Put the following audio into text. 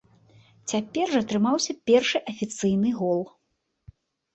Цяпер жа атрымаўся першы афіцыйны гол.